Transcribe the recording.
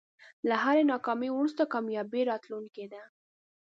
له هری ناکامۍ وروسته کامیابي راتلونکی ده.